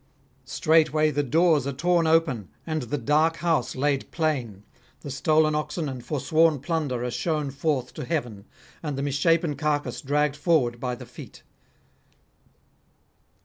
Straightway the doors are torn open and the dark house laid plain; the stolen oxen and forsworn plunder are shewn forth to heaven, and the misshapen carcase dragged forward by the feet.